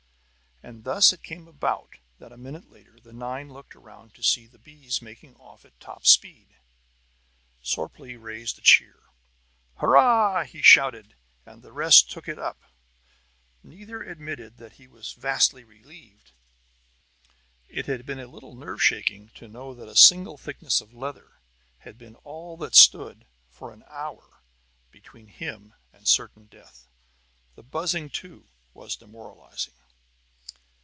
And thus it came about that, a minute later, the nine looked around to see the bees making off at top speed. Sorplee raised a cheer. "Hurrah!" he shouted, and the rest took it up. Neither admitted that he was vastly relieved; it had been a little nerve shaking to know that a single thickness of leather had been all that stood, for an hour, between him and certain death. The buzzing, too, was demoralizing.